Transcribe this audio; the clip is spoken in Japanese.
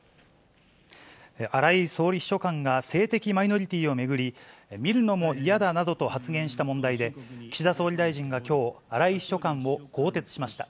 荒井総理秘書官が性的マイノリティを巡り、見るのも嫌だなどと発言した問題で、岸田総理大臣がきょう、荒井秘書官を更迭しました。